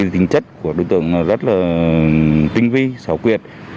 tính chất của đối tượng rất là tinh vi xảo quyệt